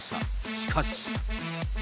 しかし。